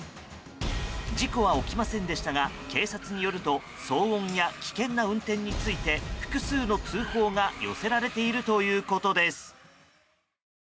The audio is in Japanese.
事故は起きませんでしたが警察によると騒音や危険な運転について複数の通報が寄せられているということです。